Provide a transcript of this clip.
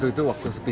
nah itu waktu sepil